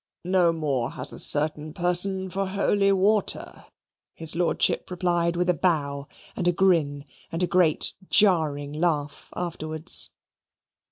"No more has a certain person for holy water," his lordship replied with a bow and a grin and a great jarring laugh afterwards.